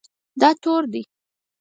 دا تور دی